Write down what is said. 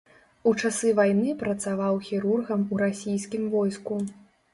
У часы вайны працаваў хірургам у расійскім войску.